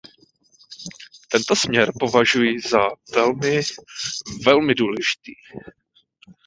Tento směr považuji za velmi, velmi důležitý.